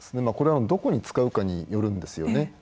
これはどこに使うかによるんですよね。